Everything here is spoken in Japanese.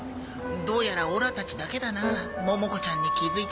どうやらオラたちだけだなモモ子ちゃんに気づいたのは。